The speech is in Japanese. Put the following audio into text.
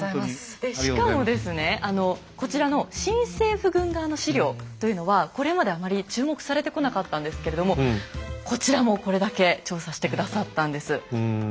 でしかもですねこちらの新政府軍側の史料というのはこれまであまり注目されてこなかったんですけれどもこちらもこれだけ調査して下さったんです。